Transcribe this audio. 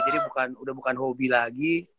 jadi udah bukan hobi lagi